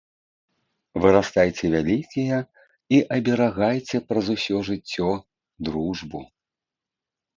Вырастайце вялікія і аберагайце праз усё жыццё дружбу.